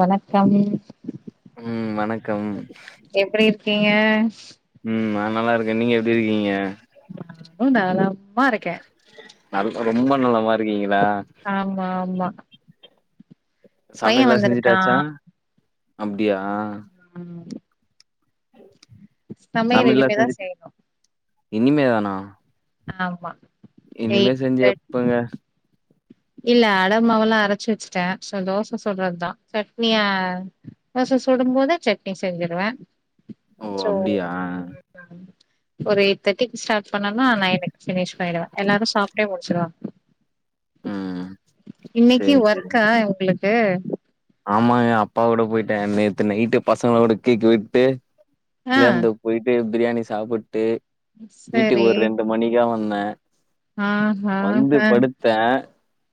வணக்கம் ம் வணக்கம் எப்டி இருக்கீங்க ம் ந நல்லாருக்கே நீங்க எப்டி இருக்கீங்க நானு நலம்மா இருக்கே நல்ல ரொம்ப நல்லமா இருக்கீங்களா ஆமா ஆமா பைய சமையல்லா வந்திருக்கா செஞ்சுட்டாச்சா அப்படியா ம் சமையல் சமையல்லா இனிமேதா செஞ்சிட்டு செய்யணு இனிமே தானா ஆமா இனிமே எயிட் செஞ்சு தேட் எப்பங்க இல்ல அடமாவெல்லா அரைச்சு வச்சுட்டே சோ தோசை சூடறதுதா சட்னியா தோச சுடு போதே சட்னி செஞ்சுடுவே ஓ அப்டியா ம் ஒரு எயிட் தேர்டிக்கு ஸ்டார்ட் பண்ணோனா நைனுக்கு ஃபி்னிஷ் பண்ணிடுவே எல்லாரு சாப்பிட்டே முடிச்சுடுவாங்க ம் இன்னைக்கு சேரி சேரி ஒர்க்கா உங்களுக்கு ஆமாங்க அப்பா கூட போயிட்டே நேத்து நைட்டு பசங்களோட கேக் வெட்டு ஆ அப்டேந்து போய்ட்டு பிரியாணி சாப்புட்டு வீட்டுக்கு சரி ஒரு ரெண்டு மணிக்காக வந்தே ஆ ஹ வந்து கரெட் படுத்தே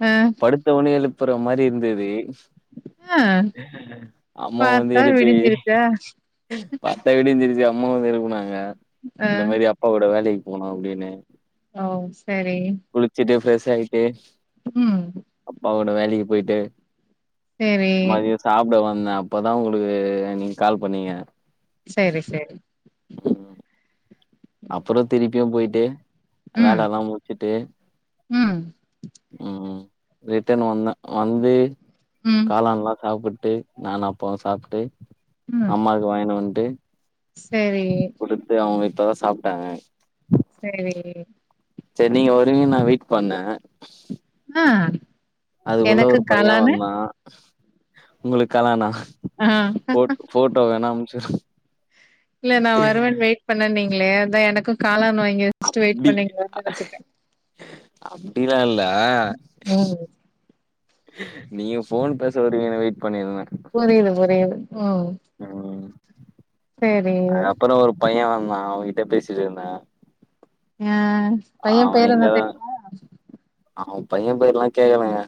ஆ படுத்த உடனே எழுப்புற மாதிரி இருந்தது ஆ அம்மா வந்து பாத்தா எழுப்பி விடிஞ்சிருச்சா பாத்த வீடுஞ்சிருச்சி அம்மாவ எழுப்புனாங்க ஆ இந்த மாரி அப்பா கூட வேலைக்கு போனோ அப்டின்னு ஓ சரி குளிச்சுட்டு ஃபிரெஷ் ஆயிட்டு ம் அப்பாவோட வேலைக்கு போயிட்டு சேரின் சாப்பிட வந்தே அப்பதா உங்களுக்கு நீங்க கால் பண்ணீங்க சேரி சேரி ம் அப்பற திருப்பியு போயிட்டு ம் வேல எல்லா முடிச்சி விட்டுட்டு ம் ம் ரிட்டன் வந்தே வந்து ம் எல்லா நல்லா சாப்பிட்டு நானு அப்பாவு சாப்பிட்டு ம் அம்மாக்கு வாங்கினு வந்ட்டு சரி இப்போ அவங்க இப்பதா சாப்ட்டாங்க சரி சரி நீங்க வருவிங்க நா வெயிட் பண்ணே ஆ அதுக்குள்ள எனக்கு ஒரு பைய காளானு வந்தா உங்களுக்கெலானா ஆ போட்டோ வேணா அமிச்சி விடு இல்ல நா வருவே வெயிட் பண்ணே நீங்களே அதா எனக்கு காலான் வாங்கி வச்சுட்டு வெயிட் அப்டி பண்ணீங்களோன்னு நெனச்சுட்டே அப்படிலா இல்ல ம் நீங்க போன் பேச வருவீங்கன்னு வெயிட் பண்ணிருந்தே புரியுது புரியுது ம் ம் சரி அதுக்கப்பற ஒரு பைய வந்தா அவன்கிட்ட பேசிட்ருந்தே ஆ பைய அவ பேர் என்ன இங்கதா தெரியுமா அவ பைய பேர்ல்லா கேக்கலங்க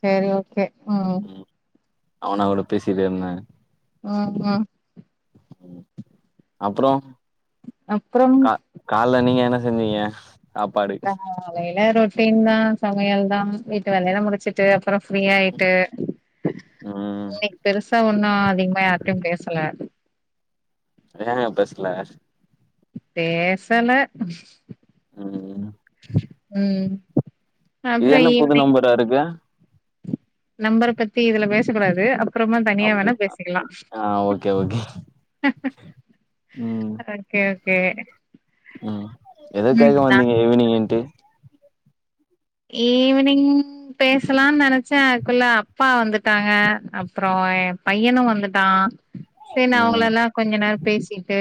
சரி ஓகே ம் ம் அவன கூட பேசிட்டே இருந்தே ம் ம் ம் அப்பறோ அப்பறம் கால்ல நீங்க என்ன செஞ்சீங்க ஆப்பாடு காலைல ரொட்டின் தா சமயல்தா வீட்டு வேலையலா முடிச்சு ட்டு அப்றோ ஃப்ரீயாய்ட்டு ம் இன்னைக் பெருசா ஒன்னு அதிகமா யார்ட்டையு பேசல ஏங்க பேஸ்ல பேசல ம் ம் அப்றோ ஈவ்னிங் தருக நம்பர பத்தி இதுல பேசக்கூடாது அப்றமா தனியா அப்டி வேணா பேசிக்கலா ஆ ஓகே ஓகே ம் கே ஓகே ம் எதோ ம் கேக்க நா வந்தீங்க ஈவ்னிங்ன்ட்டு ஈவ்னிங் பேசலானு நனைச்சே அதுக்குள்ள அப்பா வந்துட்டாங்க அப்பறோ பையனு வந்துட்டா சரி நா ம் அவங்களல்லா கொஞ்சோ நேரோ பேசிட்டு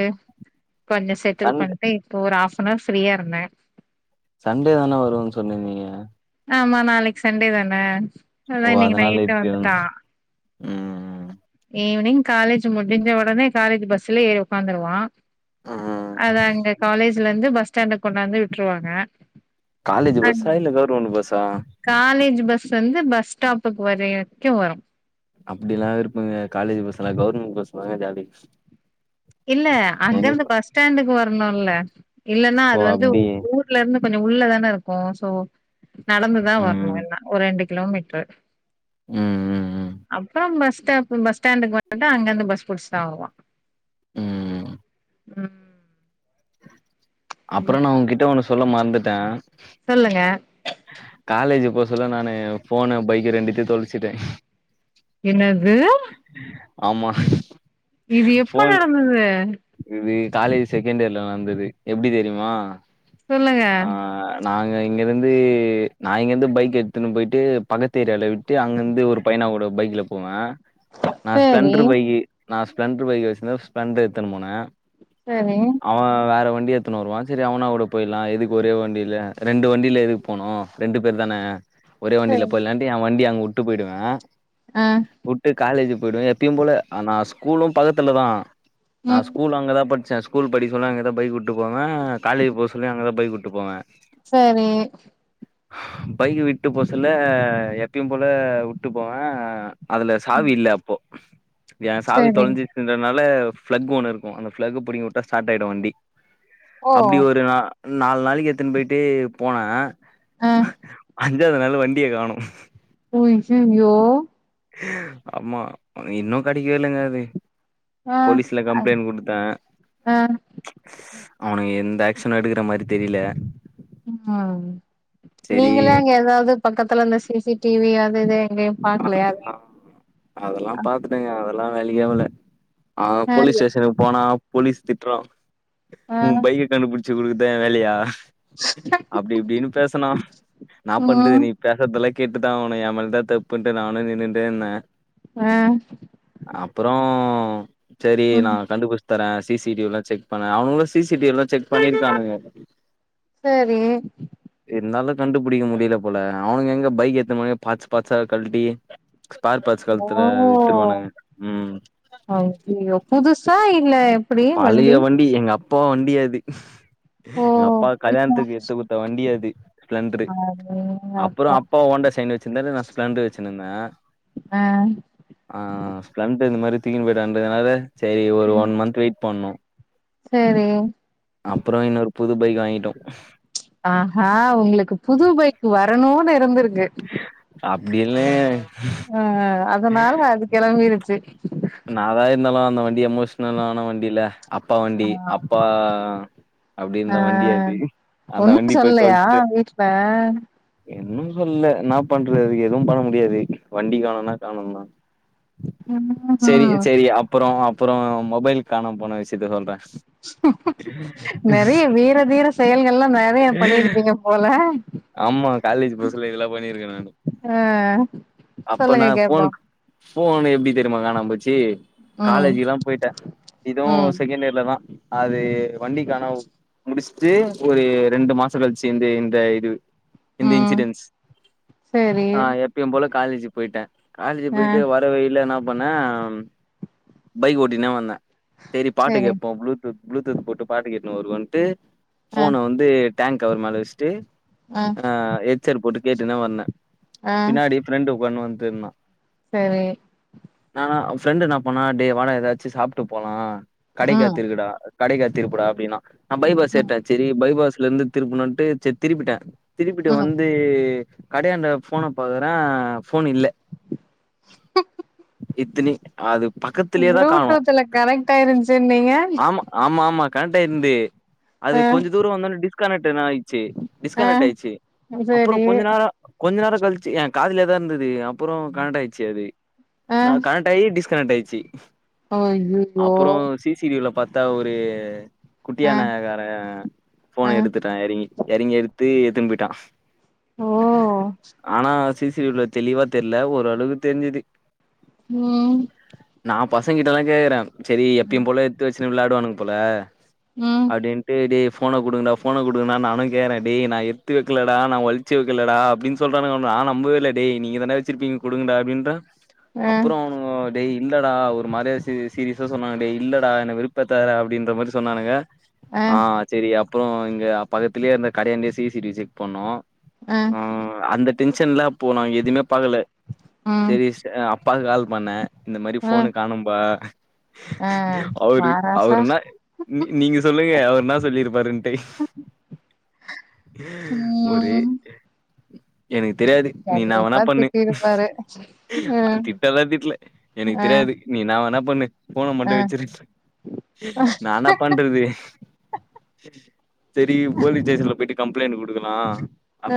கொஞ்சோ செட்டில் சண்டே பண்ட்டு ப்போ ஒரு ஃஹாப் அன்ஆர் ஃப்ரீயா இருந்தே சண்டே தான வருவோன்னு சொன்னே நீங்க ஆமா நாளைக்கு சண்டே தான அதா ஓ இன்னைக்கி அதனால நைட்டு இப்ப வந்துட்டா ம் ஈவ்னிங் காலேஜ் முடிஞ்ச ஒடனே காலேஜ் பஸ்ல ஏறி உக்காந்துருவா ம் அத அங்க காலேஜ்லருந்து பஸ் ஸ்டாண்ட்கு கொண்டுவந்து விட்டுருவாங்க காலேஜ் பஸ்ஸா இல்ல கவர்மண்ட் பஸ்ஸா காலேஜ் பஸ் வந்து பஸ் ஸ்டாப்புக்கு வரைக்கு வரு அப்டில்லா இருப்பங்க காலேஜ் பஸ்ல்லா கவர்மெண்ட் பஸ்ல தா ஜாலி இல்ல அங்கருந்து எனக்கு பஸ் ஸ்டாண்டுக்கு வரணுல இல்லன்னா ஓ அது வந்து அப்டி ஊ ல இருந்து கொஞ்சோ உள்ளதான இருக்கு சோ நடந்துதா வர்ணு ம் எல்லா ஒரு ரெண்டு கிலோமீட்ரு ம் ம் ம் அப்றோ பஸ் ஸ்டாப் பஸ் ஸ்டாண்டுக்கு வந்ட்டு அங்கருந்து பஸ் புடிச்சுதா வருவா ம் ம் அப்றோ நா உங்கிட்ட ஒன்னு சொல்ல மறந்துட்டே சொல்லுங்க காலேஜ் போ சொல்ல நானு ஃபோனு பைக்கு ரெண்டுத்தையு தொலச்சுட்டே என்னது ஆமா சிஸ் இது எப்போ நடந்துது இது காலேஜ் செகண்ட் இயர்ல நடந்தது எப்டி தெரியுமா சொல்லுங்க ஆ நாங்க இங்க இருந்து நா இங்கேந்து பைக் எத்துன்னு போய்ட்டு பக்கத்து ஏரியால விட் டு அங்கிந்து ஒரு பையனா கூட பைக்ல போவே நா சேரி ஸ்ப்ளெண்டர் பைக்கு நா ஸ்ப்ளெண்டர் பைக் வெச்சிருந்தே ஸ்ப்ளெண்டர் எத்துன் போனே சரி அவ வேற வண் டி எத்துனு வருவா செரி அவனாவுட போயிட்லா எதுக்கு ஒரே வண்டில ரெண்டு வண்டில எதுக்கு போனு ரெண்டு பேர் தானே ஒரே வண்டில சரி போயிட்லாட்ன்டு எ வண்டிய அங்க உட்டு போய்டுவே அ உட்டு காலேஜ் போய்டுவே எப்பயு போல ஆ நா ஸ்கூலு பக்கத்துலதா நா ம் ஸ்கூல் அங்கதா பட்ச்சே ஸ்கூல் படி சொன்ன அங்கதா பைக்குட் போவே காலேஜ் போ சொல்லி அங்கதா பைக்குட்டு போவே சரி பைக் விட்டு போ சொல்ல எப்யு போல உட்டு போவே அதுல ம் சாவி இல்ல அப்போ ஏ சாவி சரி தொலஞ்சு ன்றதுனால ஃப்ளெக் ஒன்னு இருக்கு அந்த ஃப்ளக் புடிங்கி உட்டா ஸ்டாட் ஆய்டு வண்டி ஓ அப்டி ஒரு நா நாலு நாளைக்கு எத்துன்னு போயிட்டு போனே அ அஞ்சாது நாள் வண்டிய காணு ஐயய்யோ ஆமா இன்னு கெடைக்கவே இல்லங்க அது ஆ போலீஸ்ல கம்ப்ளைண்ட் குடுத்தே ஆ அவனுங்க எந்த ஆக்ஷனு எடுக்குற மாரி தெரில ம் செரி நீங்களா அங்க எதாது பக்கத்துல இந்த சி சி டிவி அது இது எங்கயு பாக்லயா எதுமே அதெல்லா அதெல்லா பாத்துட்டேங்க அதெல்லா வேலைக்கே ஆவல அ போலீஸ் ஸ்டேஷன் போனா போலீஸ் திட்றா ஆ ஆ உ பைக்க கண்டுபிடிச்சு குடுக்குதா எ வேலையா அப்டி இப்டின்னு பேஸ்னா ன்னா பண்து ம் நீ பேசர்தெல்லா கேட்டுதா ஆவனு எ மேல்தா தப்புன்ட்டு நானு நின்னுடேருந்தே அ அப்றோ சேரி நா ம் கண்டுபுச் தரே சி சி டிவி எல்லா செக் பண்ணே அவனுங்களு சி சி டிவி எல்லா செக் பண்ணிருக்கானுங்க சேரி இருந்தாலு கண்டுபிடிக்க முடியல போல அவனுங்க எங்க பைக் எடுத்த மோதே பார்ட்ஸ் பார்ட்ஸா கழ்ட்டி ஸ்பார் பார்ட்ஸ் ஓ கலுத்துல வித்துருவானுங்க ம் அய்யயோ புதுசா இல்ல பழய வண்டி எங்க அப்பா வண்டி அது ஓ எங்க அப்பா வீட்ல கல்யாணத்துக்கு ஒன்னு எடுத்து சொல் குடுத்த வண்டி அது ஸ்பிலெண்ட்ரு அப்றோ அடேங்கப்பா அப்பா ஹோண்டா சைன் வச்சிருந்தாரு நா ஸ்ப்லெண்டர் வச்சினுருந்தே ஆ ஆ ஸ்ப்லெண்டர் இந்த மாரி தூக்கினு போயிடான்றதுனால சேரி ஒரு ம் ஒன் மன்த் வெய்ட் பண்ணோ சரி அப்றோ இன்னொரு புது பைக் வாங்கிட்டோ ஆஹா ஒங்ளுக்கு புது பைக்கு வரணுனு இருந்துருக்கு அப்டியில்லேங்க ஆ அதனால அது கெளம்பிருச்சு என்னாதா இருந்தாலு அந்த வண்டி எமோஷ்னலான வண்டில அப்பா வண்டி அப்பா ஆமா அப்டி ஆ இருந்த வண்டி அது அந்த ஒன்னு வண்டி போய் சொல்லயா தொல்ச்சுட்டே வீட்ல என்னு சொல்ல என்னா பண்றதுக் அதுக்கு எதுவு பண்ண முடியாது வண்டி காணோனா காணோ தா சேரி ம்ஹூம் சேரி அப்றோ அப்றோ மொபைல் காணாம போன விஷ்யத்த சொல்றே நெறைய வீர தீர செயல்கள்லா நெறைய பண்ணிருப்பீங்க போல ஆமா காலேஜ் புதுசுல இதெல்லா பண்ணிருக்கே நானு ஆ அப்ப சொல்லுங்க நா கேப்போ ஃபோனுக் ஃபோனு எப்டி தெரியுமா காணாம போச்சு ம் காலேஜ்க்லா போயிட்டே இதுவு ம் செகண்ட் இயர்ல தா அது வண்டி காணாம முடிச்ட்டு ஒரு ரெண்டு மாசோ கழ்ச்சு வந்து இந்த இது இந்த ம் இன்சிடென்ஸ் சேரி ஆ எப்பையு போல காலேஜு போய்ட்டே காலேஜு ஆ போய்ட்டு வர் ற வழில என்ன பண்ணே பைக் ஓட்டினே வந்தே சேரி பாட்டு கேப்போ ப்ளூ டூத் ப்ளூடூத் போட்டு பாட்டு கேட்னு வருவோன்ட்டு ஆ ஃபோன வந்து டேங்க் கவர் மேலே வச்ட்டு ஆ ஆ எச்செட் போட்டு கேட்டுனே வந்தே ஆ பின்னாடி ஃப்ரெண்டு உக்காந்துனு வந்துருந்தா செரி என்னானா ஃப்ரெண்டு என்னா பண்ணா டே வாடா எதாச்சு சாப்ட்டு போலா ம் கடைக்காத்திருகுடா கடைக்கா திருப்புடா அப்டின்னா நா பைபாஸ் ம் ஏர்ட்டே செரி பைபாஸ்லருந்து திருப்புணுட்டு சேர் திருப்பிட்டே திருப்பிட்டு ம் வந்து கடயாண்ட ஃபோன பாக்றே ஃபோன் இல்ல இத்தினி அது பக்கத்துலயே தா காணோ ப்ளூடூத்ல கனெக்ட் ஆயிருந்துச்சுன்னீங்க ஆமா ஆமா ஆமா கனெக்டாயிருந்து அது ஆ கொஞ்சோ தூரோ வந்தோன டிஸ்கனெக்ட்ன்னு ஆயிடுச்சு ஆ டிஸ்கனெக்ட் ஆயி அப்றோ சேரி கொஞ்ச நேரோ கொஞ்ச நேரோ கழிச்சு ஏ காதுலயேதா இருந்தது அப்றோ கனெக்டாயிருச்சு அது ஆ நா கனெக்ட் ஆயி டிஸ்கனெக்ட் ஆயிச்சு ஓ அய்யயோ அப்புறம் சிசிடிவில பாத்தா ஒரு ஆ குட்டியானகாரே ஆ ஃபோன்ன எடுத்து ட்டா எறங்கி எறங்கி எடுத்து எத்துனுபோயிட்டா ஓ ஆனா சிசிவில தெளிவா தெர்ல ஓரளவுக் தெர்ஞ்சுது ம் நா பசங்கிட்டல்லா கேக்குறே செரி எப்பயு போல எத்துவச்சுன்னு வெளாடுவானுங்க போல ம் அப்டின்ட்டு டே ஃபோன குடுங்டா ஃபோன குடுங்டானு நானு கேக்றே டேய் நா எடுத் த்து வைக்லடா நா ஒளிச்சு வைக்கலடா அப்டின் சொல்றானுங்க அவனுங்க நா நம்பவே இல்ல டே நீங்க தான்டா வச்சிருப்பீங் குடுங்கடா அப்டின்றே ஆ அப்றோ அவனுங் கோ டே இல்லடா ஒரு மாரியா சீரியஸா சொன்னாங்க டே இல்லடா என்ன வெறுப்பேத்தாத அப்டின்ற மாரி சொன்னானுங்க ஆ சேரி அப்றோ இங்க பக்கத்திலயே இருந்த கடையாண்ட சிசிடிவி செக் பண்ணோ ஆ ம் அந்த டென்ஷன்லா அப்போ நாங்க எதுமே பாக்கல ம் செரி ஸ் அப்பாக்கு கால் பண்ணே இந்த மாரி ஆ ஃபோனு காணோப்பா ஆ அவரு வாராசா அவருனா நீ நீங்க சொல்லுங்க அவரு என்னா சொல்லிருப்பாருன்டு ஒரே ம் எனக்கு தெரியாது நீ என்னா வேனா கண்டிப்பா பண்ணு திட்டிருப்பாரு ஆ அ திட்டலா திட்டல எனக்கு ஆ தெரியாது நீ என்னா வேனா பண்ணு ஃபோன ஆ மட்டு வெச்சிரு நா என்ன பண்றது செரி போலீஸ் ஸ்டேஷன்ல போய்ட்டு கம்ப்ளைண்ட்டு குடுக்கலா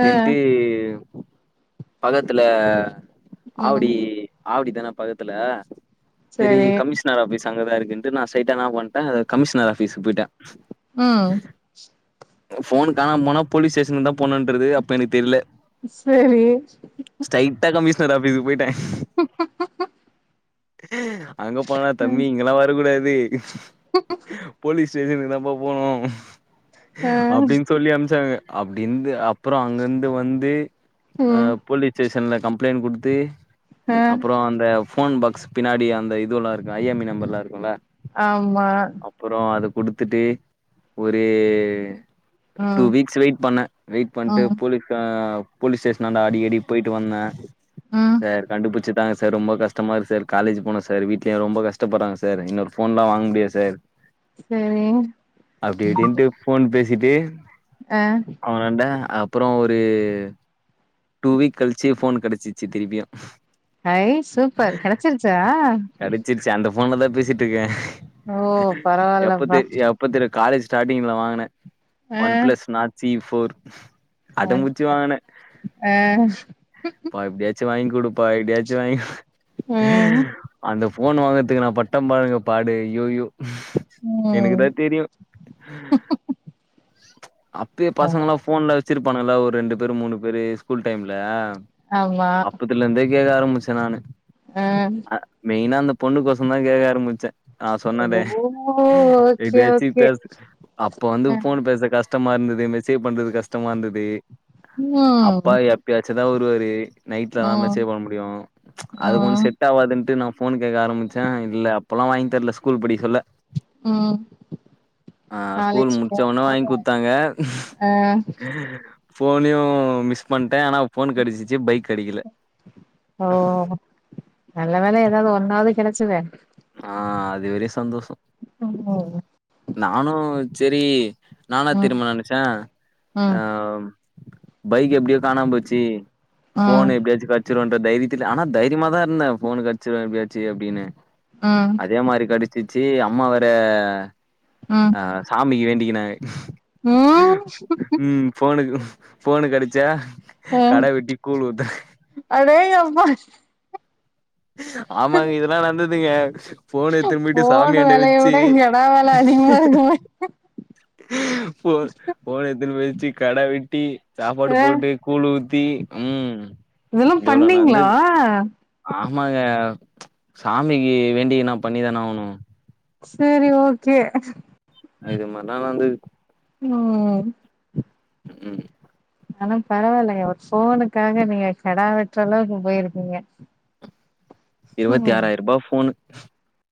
ஆ பக்கத்துல ம் ஆவடி ஆவடிதான பக்கத்துல செரி சரி கமிஷனர் ஆஃபிஸ் அங்கதா இருக்குன் நா ஸ்டெயிட்ட என்ன பண்ட்டே கமிஷனர் ஆஃபிஸ்க்கு போய்ட்டே ம் ஃபோனு காணாம போனா போலீஸ் ஸ்டேஷனுக்குதா போணுன்றது அப்ப எனக் தெர்ல சரி ஸ்டெய்ட்டா கமிஷனர் ஆஃபீஸ்ஸுக்கு போய்ட்டே அங்க போனா தம்பி இங்கெல்லா வர கூடாது போலீஸ் ஸ்டேஷனுக்குதாப்ப போனு ஆ அப்டின் சொல்லி அனுப்ச்சாங்க அப்டிந்து அப்புறோ அங்கந்து வந்து ஆ ம் போலீஸ் ஸ்டேஷன்ல கம்ப்ளைண்ட் குடுத்து ஆ அப்புறோ அந்த ஃபோன் பாக்ஸ் பின்னாடி அந்த இதுவுல்லா இருக்கு ஐ எம் ஐ நம்பர்லா இருக்குல ஆமா அப்புறோ அது குடுத்துட்டு ஒரு டூ ம் வீக்ஸ் வெயிட் பண்ண வெயிட் பண்ட்டு ம் போலீஸ் ஆ போலீஸ் ஸ்டேஷனான்ட அடிக்கடி போய்ட்டு வந்தே ம் சார் கண்டுபுச்சு தாங்க சார் ரொம்ப கஷ்டமா இருக்கு சார் காலேஜ் போனு சார் வீட்லயு ரொம்ப கஷ்டப்பட்றாங்க சார் இன்னொரு ஃபோன்லா வாங்க முடியாத் சார் சேரி அப்டி இப்டின்ட்டு ஃபோன் பேசிட்டு ஆ அவனாண்ட அப்பறோ ஒரு டூ வீக் கழிச்சு ஃபோன் கடச்சிச்சு திருப்பியு ஐ சூப்பர் கெடச்சிருச்சா சு அந்த ஃபோன்லதா பேசிட்ருக்கே ஓ பரவால்லபா எப்ப தெரு காலேஜ் ஸ்டாட்டிங்ல வாங்கன ஆ one plus Nord C E four one அடம்புச்சு பிளஸ் வாங்கன ஆ அப்பா எப்டியாச்சு வாய்ங்குடுப்பா எப்டியாச்சு வாய்ங் ம் அந்த ஃபோன் வாங்கறதுக்கு நா பட்ட பாருங்க பாடு ஐயயோ ம் எனக்குதா தெரியு அப்பயே பசங்கல்லா ஃபோன்லா வெச்சிருப்பாங்கல்ல ஒரு ரெண்டு பேரு மூணு பேரு ஸ்கூல் டைம்ல ஆமா அதுல இருந்தே கேக்க ஆரம்பிச்ச நானு ஆ மெய்னா அந்த பொண்ணுக் கோசோதா கேக்க ஆரம்பிச்சே ஆ சொன்னனே ஓ ஓகே எப்டியாச்சு ஓகே பேஸ் அப்ப வந்து ஆ ஃபோன் பேச கஷ்டமா இருந்தது மெசேவ் பண்றது கஷ்டமா இருந்தது அப்பா ம் எப் எப்பயாச்சு தா வருவாரு நைட்ல தா ம் மெசேஜ் பண்ண முடியு அது கொஞ்சோ ம் செட் ஆவாதுன்டு நா ஃபோன் கேக்க ஆம்பிச்சே இல்ல அப்பல்லா வாங்கி தரல ஸ்கூல் படிக்கேல்ல ம் காலேஜ் போ போணு வாங்கி குடுத்தாங்க ஃபோனையு மிஸ் பண்ணிட்டே ஆனா ஃபோன் கெடிச்சிச்சு பைக் கெடைக்கல ஓ நல்ல வேல எதாது ஒன்னாவது கெடச்சுதே ஆ அதுவரயு சந்தோஷோ ம் ம் நானு சரி நா என்னா ம் தெரியுமா நெனச்சே ஆ ம் பைக் எப்டியோ காணா போச்சு ம் ஃபோன் எப்படியாச்சு கெடச்சுன்ற தைரியத்து ஆனா தைரியமா தா இருந்த ஃபோனு கெடச்சுடு எப்படியாச்சு அப்டின்னு ஆஹ் அதே மாரி கெடச்சிச்சு அம்மா வேற ஆஹ் ஆ சாமிக்கு வேண்டிக்கினு ம் ம் ஃபோனுக்கு ஃபோனு கெடச்சா ம் கடா வெட்டி கூழ் ஊத்துறே அடேங்கப்பா ஆமாங்க இதெல்லா நடந்ததுங்க ஃபோன எடுத்துண்டு போய்ட்டு ஃபோனு சாமியாண்ட வெலைய வச்சு விட எங்கடா வேல அதிகமா இருக்குமே ஃபோ ஃபோன எத்துட்டு போய்ட்டு கடா வெட்டி சாப்பாடு ஆ போட்டு கூழ் ஊத்தி ம் இதெல்லா இவ்ளோ நடந்துது பண்ணீங்களா ஆமாங்க சாமிக்கு வேண்டிக்நா பண்ணிதானே ஆவணு சேரி ஓகே இது மாரிலா நடந்துது ம் ம் ஆனா பரவாயில்லங்க ஒரு ஃபோனுக்காக நீங்க கடா வெட்ற அளவுக்கு போயிருக்கீங்க இருவத்தி ம் ஆறாயிர ரூபா ஃபோனு